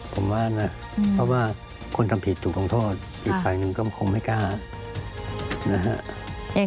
ผมว่านะเพราะว่าคนทำผิดถูกลงโทษอีกฝ่ายหนึ่งก็คงไม่กล้านะฮะ